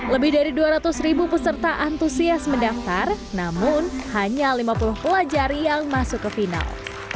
lebih dari dua ratus ribu peserta antusias mendaftar namun hanya lima puluh pelajar yang masuk ke final